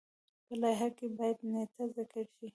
په لایحه کې باید نیټه ذکر شي.